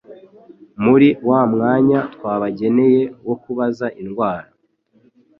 Muri wa mwanya twabageneye wo kubaza indwara